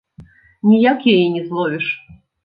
Ніяк яе не зловіш.